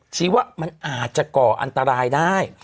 ชี้ว่ามันอาจจะก่ออันตรายได้